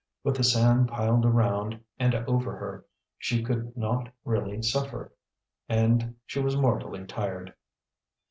With the sand piled around and over her, she could not really suffer; and she was mortally tired.